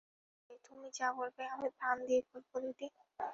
সে বললে, তুমি যা বলবে আমি প্রাণ দিয়ে করব দিদি।